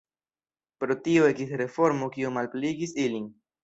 Pro tio ekis reformo kiu malpliigis ilin.